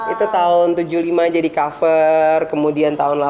itu tahun tujuh puluh lima jadi cover kemudian tahun delapan puluh satu